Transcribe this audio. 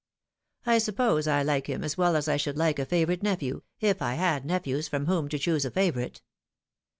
I suppose I like him as well as I should like a favourite nephew, if I had nephews from whom to choose a favourite.